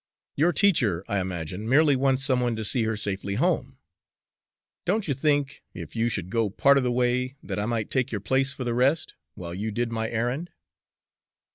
Your teacher, I imagine, merely wants some one to see her safely home. Don't you think, if you should go part of the way, that I might take your place for the rest, while you did my errand?"